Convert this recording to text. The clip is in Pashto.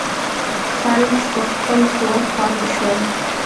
خلج په خپل قوت پاته شول.